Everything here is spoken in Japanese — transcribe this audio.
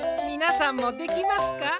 みなさんもできますか？